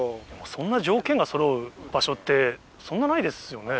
そんな条件がそろう場所ってそんなないですよね。